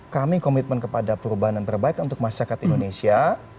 kami komitmen kepada perubahan dan perbaikan untuk masyarakat indonesia